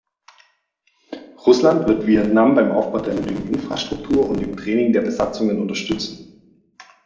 Russland wird Vietnam beim Aufbau der nötigen Infrastruktur und dem Training der Besatzungen unterstützen.